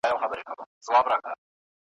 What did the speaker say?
یو به زه یوه امسا وای له خپل زړه سره تنها وای `